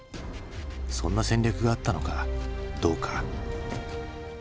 そんな戦略があったのかどうか。